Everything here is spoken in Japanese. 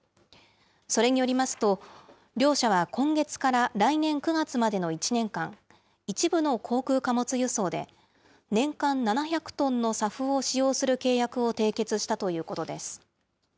それによりますと、両社は今月から来年９月までの１年間、一部の航空貨物輸送で、年間７００トンのＳＡＦを使用する契約を締結したということです。